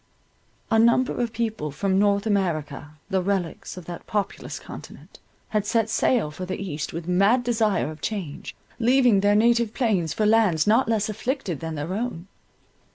A number of people from North America, the relics of that populous continent, had set sail for the East with mad desire of change, leaving their native plains for lands not less afflicted than their own.